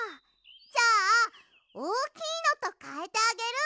じゃあおおきいのとかえてあげる！